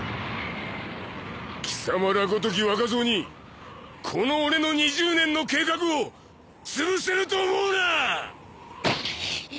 キサマらごとき若造にこの俺の２０年の計画をつぶせると思うなッ！